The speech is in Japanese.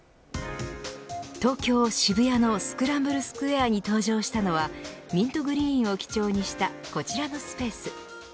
東京、渋谷のスクランブルスクエアに登場したのはミントグリーンを基調にしたこちらのスペース。